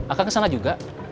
akan kesana juga